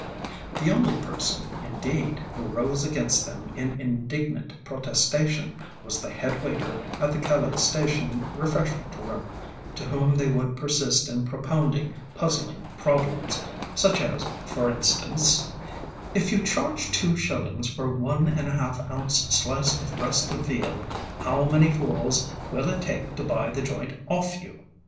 The only person, indeed, who rose against them in indignant protestation was the head waiter at the Calais station refreshment room, to whom they would persist in propounding puzzling problems, such as, for instance, ŌĆ£If you charge two shillings for one and a half ounce slice of breast of veal, how many fools will it take to buy the joint off you?